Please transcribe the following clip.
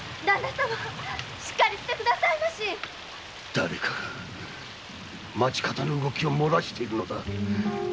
誰かが町方の動きを漏らしているのだ！